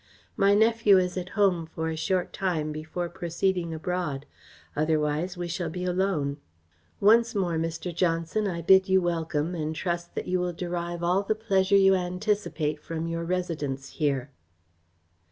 "My nephew is at home for a short time before proceeding abroad. Otherwise we shall be alone. Once more, Mr. Johnson, I bid you welcome and trust that you will derive all the pleasure you anticipate from your residence here."